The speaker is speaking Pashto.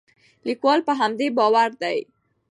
لیکوال پر همدې باور دی.